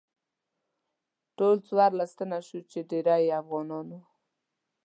ټول څوارلس تنه شوو چې ډیری یې افغانان وو.